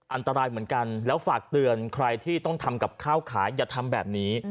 อันตรายเหมือนกันแล้วฝากเตือนใครที่ต้องทำกับข้าวขายอย่าทำแบบนี้